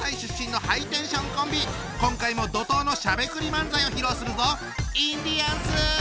今回も怒とうのしゃべくり漫才を披露するぞ！